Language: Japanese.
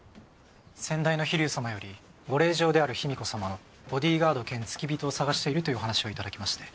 先代の秘龍さまよりご令嬢である秘美子さまのボディーガード兼付き人を探しているというお話を頂きまして。